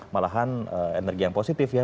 malahan energi yang positif ya